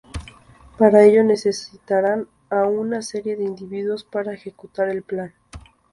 Para ello necesitarán a una serie de individuos para ejecutar el plan.